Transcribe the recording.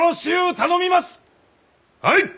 はい！